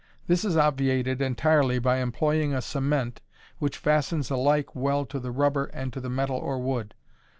This is obviated entirely by employing a cement which fastens alike well to the rubber and to the metal or wood.